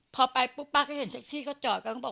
พอไปปุ๊บป้าก็เห็นเซ็กซี่เขาจ่อยกัน